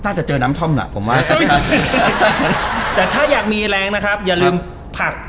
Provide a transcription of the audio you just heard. ถ้าจะเจอน้ำท่อมน่ะผมว่าแต่ถ้าอยากมีแรงนะครับอย่าลืมผัก